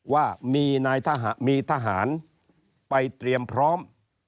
ว่ามีทหารไปเตรียมพร้อม